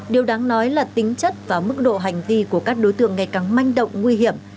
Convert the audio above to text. điều đáng nói là tính chất và mức độ hành vi của các đối tượng ngày càng manh động nguy hiểm